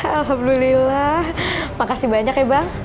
alhamdulillah makasih banyak ya bang